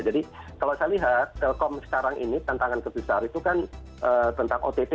jadi kalau saya lihat telkom sekarang ini tantangan kebesar itu kan tentang otp